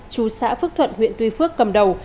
chú xã phước thuận huyện tuy phước cầm đầu